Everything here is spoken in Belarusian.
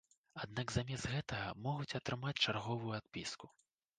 Аднак замест гэтага могуць атрымаць чарговую адпіску.